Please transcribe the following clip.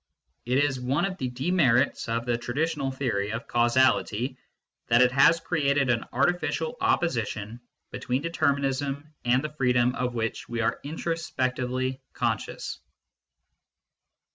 It is one of the demerits of the traditional theory of causality that it has created an artificial opposition between determinism and the freedom of which we are introspectively conscious.